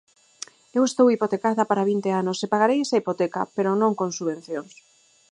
Eu estou hipotecada para vinte anos e pagarei esa hipoteca, pero non con subvencións.